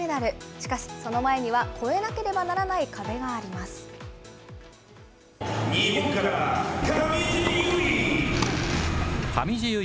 しかし、その前には越えなければならない日本から、上地結衣。